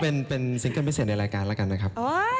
ก็เป็นซิงเกิลไม่เสียในรายการนะครับ